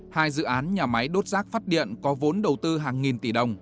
hai dự án nhà máy đốt rác phát điện có vốn đầu tư hàng nghìn tỷ đồng